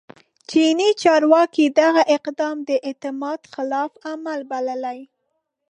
چیني چارواکي دغه اقدام د اعتماد خلاف عمل بللی